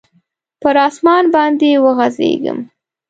پر اسمان باندي وغځیږم